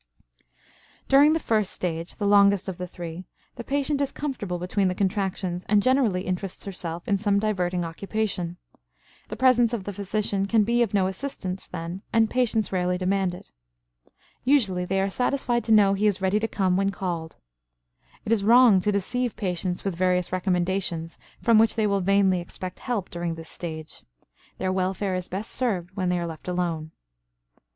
During the first stage, the longest of the three, the patient is comfortable between the contractions and generally interests herself in some diverting occupation. The presence of the physician can be of no assistance then, and patients rarely demand it. Usually, they are satisfied to know he is ready to come when called. It is wrong to deceive patients with various recommendations from which they will vainly expect help during this stage; their welfare is best served when they are left alone.